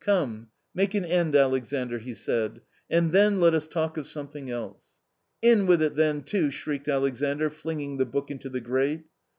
" Come, make an end, Alexandr," he said " and then let us talk of something else." " In with it then, too ;" shrieked Alexandr flinging the book into the grate.